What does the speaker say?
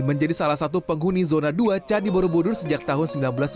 menjadi salah satu penghuni zona dua candi borobudur sejak tahun seribu sembilan ratus sembilan puluh